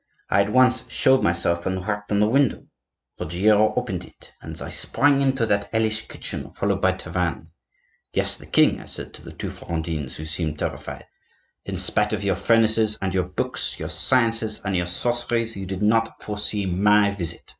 I at once showed myself and rapped on the window. Ruggiero opened it, and I sprang into that hellish kitchen, followed by Tavannes. 'Yes, the king,' I said to the two Florentines, who seemed terrified. 'In spite of your furnaces and your books, your sciences and your sorceries, you did not foresee my visit.